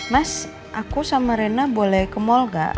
mas aku sama rena boleh ke mall gak